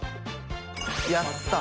やった！